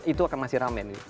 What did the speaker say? itu akan masih ramai